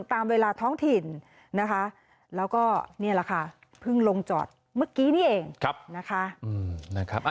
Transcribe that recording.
ตามเวลาท้องถิ่นนะคะแล้วก็นี่แหละค่ะเพิ่งลงจอดเมื่อกี้นี่เองนะคะ